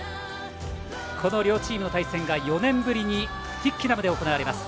この両チームの対戦が４年ぶりにトゥイッケナムで行われます。